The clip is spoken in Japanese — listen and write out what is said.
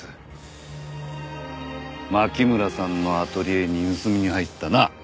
牧村さんのアトリエに盗みに入ったな？